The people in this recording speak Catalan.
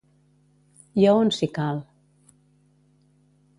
I a on, si cal?